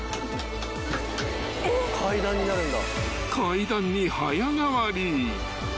［階段に早変わり］